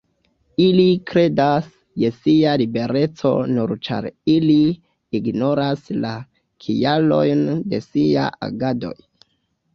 Ili kredas je sia libereco nur ĉar ili ignoras la kialojn de siaj agadoj.